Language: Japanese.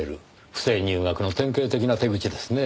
不正入学の典型的な手口ですね。